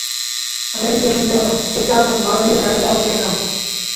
আগে ইনজেকশন দিয়ো না, এই চারজন ভারতীয়কে আগে দাও একে না।